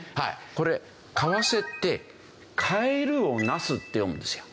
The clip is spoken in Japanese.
これ為替って「替えるを為す」って読むんですよ。